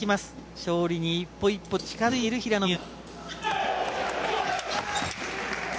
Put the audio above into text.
勝利に一歩一歩近づいている平野美宇。